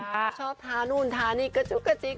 ชอบทานู่นทานี่กระจุกกระจิ๊ก